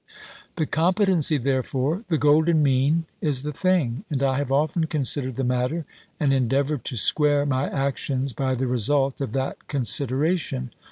"The competency, therefore, the golden mean, is the thing; and I have often considered the matter, and endeavoured to square my actions by the result of that consideration.